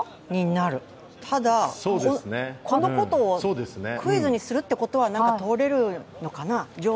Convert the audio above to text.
なる、ただ、このことをクイズにするということはなんか通れるのかな？